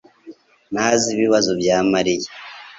ntazi ibibazo bya Mariya.